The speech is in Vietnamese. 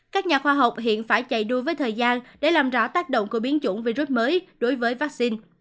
các nhà khoa học hiện phải chạy đua với thời gian để làm rõ tác động của biến chủng virus mới đối với vaccine